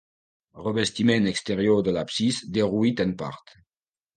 Revestiment exterior de l'absis derruït en part.